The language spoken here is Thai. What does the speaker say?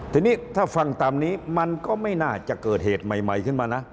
ทีนี้ถ้าฟังตามนี้มันก็ไม่น่าจะเกิดเหตุใหม่ขึ้นมานะ